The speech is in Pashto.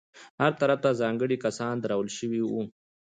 هر طرف ته ځانګړي کسان درول شوي وو.